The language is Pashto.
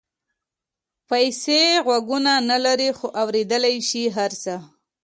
پیسې غوږونه نه لري خو اورېدلای شي هر څه.